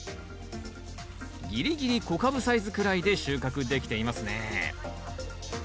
ぎりぎり小カブサイズくらいで収穫できていますね。